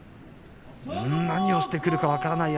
何をしてくるか分からない